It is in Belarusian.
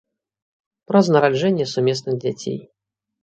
Праз нараджэнне сумесных дзяцей.